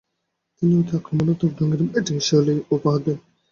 তিনি ‘অতি-আক্রমণাত্মক’ ঢংয়ে ব্যাটিংশৈলী উপহার দেন।